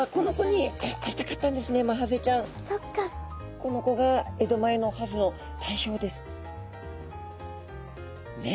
この子が江戸前のハゼの代表です。